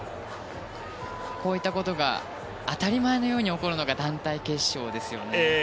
こういったことが当たり前のように起こるのが団体決勝ですよね。